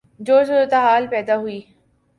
جو صورتحال پیدا ہوئی